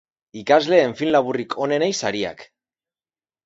Ikasleen film laburrik onenei sariak.